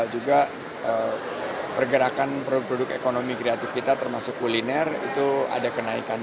juga pergerakan produk produk ekonomi kreatif kita termasuk kuliner itu ada kenaikan